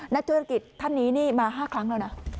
นักธุรกิจท่านนี้นี่มา๕ครั้งแล้วนะ